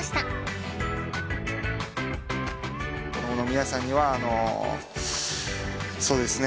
皆さんにはあのそうですね。